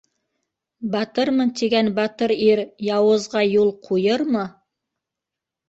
Батырмын тигән батыр ир яуызға юл ҡуйырмы?